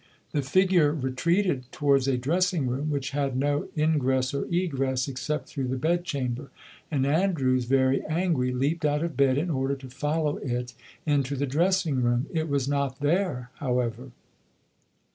The figure retreated towards a dressing room, which had no ingress or egress except through the bed chamber; and Andrews, very angry, leaped out of bed in order to follow it into the dressing room. It was not there, however.